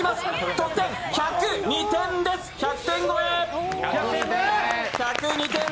得点１０２点です、１００点超え。